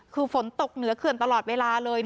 คือฝนตกเหนือเขื่อนตลอดเวลาเลย